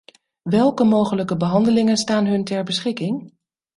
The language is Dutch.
Welke mogelijke behandelingen staan hun ter beschikking?